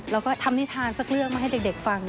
เราก็ทำนิทานสักเรื่องมาให้เด็กฟัง